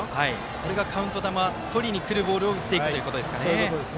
これがカウント球とりにくるボールを打っていくということですね。